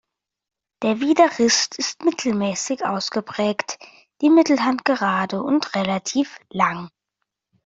Der Widerrist ist mittelmäßig ausgeprägt, die Mittelhand gerade und relativ lang.